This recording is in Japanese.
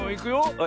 はい。